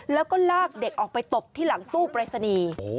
แล้วก็ลากเด็กออกไปตบที่หลังตู้ปรายศนีย์